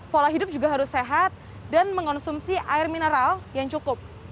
pola hidup juga harus sehat dan mengonsumsi air mineral yang cukup